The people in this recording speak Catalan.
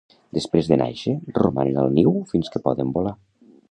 Després de nàixer romanen al niu fins que poden volar.